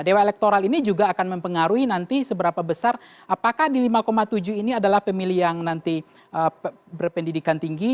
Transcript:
dewa elektoral ini juga akan mempengaruhi nanti seberapa besar apakah di lima tujuh ini adalah pemilih yang nanti berpendidikan tinggi